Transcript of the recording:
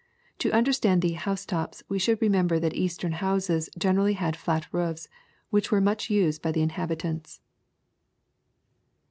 To understand the " housetops, ' we should remember that Eastern houses generally had flat roofe. which were much used by the inhabitants.